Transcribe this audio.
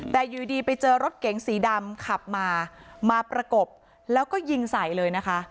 แต่อยู่ดีไปเจอรถเก๋งสีดำขับมามาประกบแล้วก็ยิงใส่เลยนะคะ